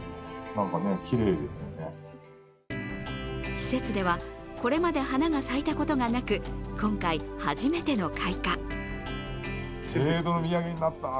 施設では、これまで花が咲いたことがなく、今回初めての開花。